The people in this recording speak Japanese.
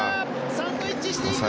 サンドイッチしていく！